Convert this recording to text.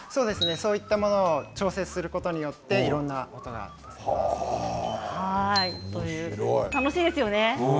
そういったものを調節することによっていろんな音が出せます。